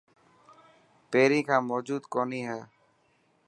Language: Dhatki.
پهرين کان موجود ڪونهي هي؟